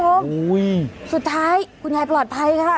โอ้โหสุดท้ายคุณยายปลอดภัยค่ะ